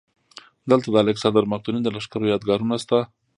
دلته د الکسندر مقدوني د لښکرو یادګارونه شته